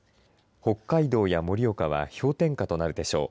北海道や盛岡は氷点下となるでしょう。